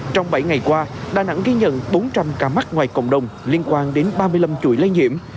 trong bảy ngày qua đà nẵng ghi nhận bốn trăm linh ca mắc ngoài cộng đồng liên quan đến ba mươi năm chuỗi lây nhiễm